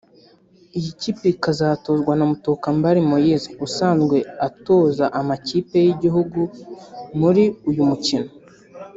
Iyi kipe ikazatozwa na Mutokambali Moïse usanzwe atoza amakipe y’igihugu muri uyu mukino